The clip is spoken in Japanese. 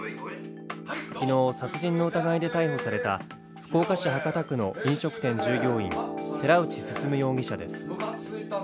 昨日、殺人の疑いで逮捕された福岡市博多区の飲食店従業員、寺内進容疑者です。